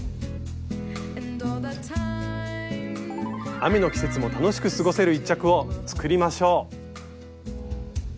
雨の季節も楽しく過ごせる一着を作りましょう！